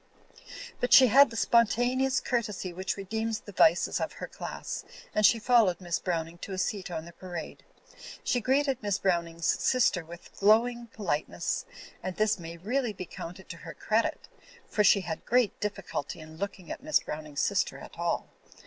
But she had the spontane ous courtesy which redeems the vices of her class, and she followed Miss Browning to a seat on the parade. She greeted Miss Browning's sister with glowing* politeness ; and this may really be counted to her cred it; for she had great difficulty in looking at Miss Browning's sister at all.